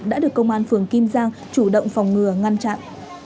đã được công an phường kim giang chủ động phòng ngừa ngăn chặn